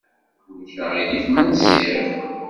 Ulac aɣilif ma nsiɣ?